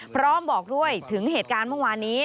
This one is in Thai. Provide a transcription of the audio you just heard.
พร้อมบอกด้วยถึงเหตุการณ์เมื่อวานนี้